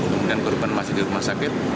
kemudian korban masih di rumah sakit